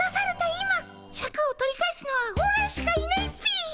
今シャクを取り返すのはオラしかいないっピ！